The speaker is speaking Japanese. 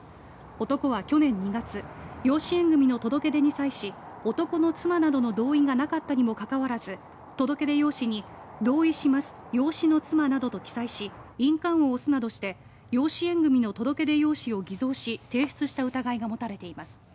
男は去年２月養子縁組の届け出に際し男の妻などの同意がなかったにもかかわらず届け出用紙に同意します、養子の妻などと記載し印鑑を押すなどして養子縁組の届け出用紙を偽造し提出した疑いが持たれています。